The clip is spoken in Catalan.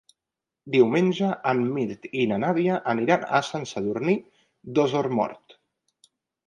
Diumenge en Mirt i na Nàdia aniran a Sant Sadurní d'Osormort.